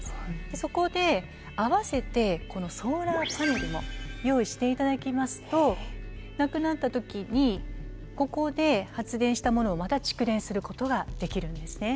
そこで合わせてこのソーラーパネルも用意して頂きますとなくなった時にここで発電したものをまた蓄電することができるんですね。